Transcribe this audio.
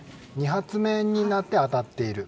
２発目になって当たっている。